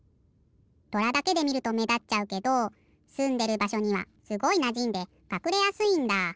とらだけでみるとめだっちゃうけどすんでるばしょにはすごいなじんでかくれやすいんだ。